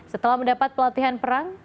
setelah mendapat pelatihan perang